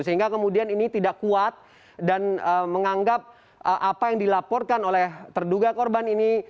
sehingga kemudian ini tidak kuat dan menganggap apa yang dilaporkan oleh terduga korban ini